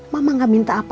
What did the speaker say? mama tidak minta apa apa